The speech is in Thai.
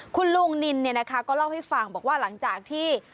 คุณลุงนินก็เล่าให้ฟังบอกว่าหลังจากที่